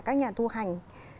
các nhà thu hành